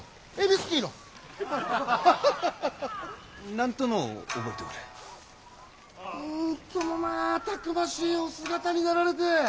なんともまあたくましいお姿になられて！